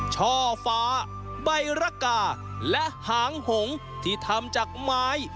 ช่อฟ้าใบระกาและหางหงที่ทำจากไม้